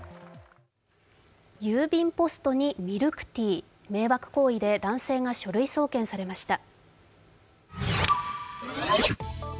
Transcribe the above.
郵便ポストにミルクティー、迷惑行為で男性が書類送検されました。